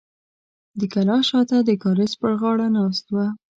د کلا شاته د کاریز پر غاړه ناست و.